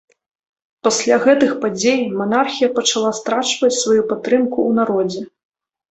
Пасля гэтых падзей, манархія пачала страчваць сваю падтрымку ў народзе.